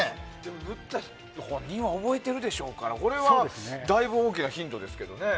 塗った本人は覚えているでしょうからこれはだいぶ大きなヒントですけどね。